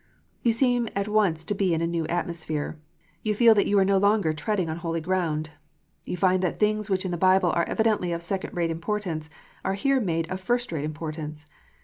You seem at once to be in a new atmosphere. You feel that you are no longer treading on holy ground. You find that things which in the Bible are evidently of second rate importance, are here made of first rate importance.